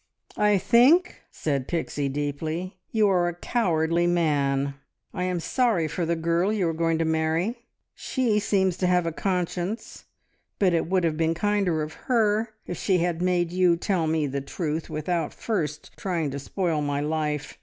"I think," said Pixie deeply, "you are a cowardly man. I am sorry for the girl you are going to marry. She seems to have a conscience, but it would have been kinder of her if she had made you tell me the truth without first trying to spoil my life.